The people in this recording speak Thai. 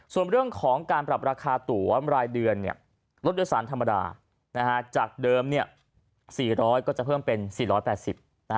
ส่วนเรื่องของการปรับราคาตัวรายเดือนเนี่ยรถโดยสารธรรมดาจากเดิมเนี่ย๔๐๐ก็จะเพิ่มเป็น๔๘๐นะฮะ